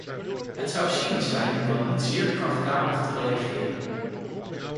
Het zou cynisch zijn om dan niet zeer krachtdadig te reageren.